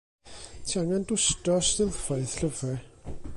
Ti angen dwsto'r silffoedd llyfre.